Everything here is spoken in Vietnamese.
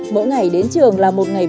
mỗi ngày đến trường là một ngày vui